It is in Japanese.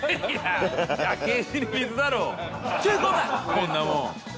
こんなもん。